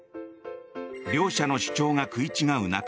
両者の主張が食い違う中